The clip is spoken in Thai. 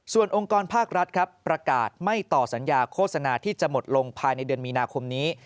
ส่วนองค์กรภาครัฐครับประกาศไม่ต่อสัญญาโฆษณาที่จะหมดลงภายในเดือนมีนาคมนี้